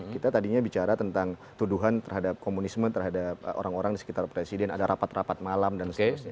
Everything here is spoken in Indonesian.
kita tadinya bicara tentang tuduhan terhadap komunisme terhadap orang orang di sekitar presiden ada rapat rapat malam dan seterusnya